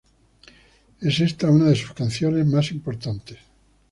Es esta una de sus canciones más importantes.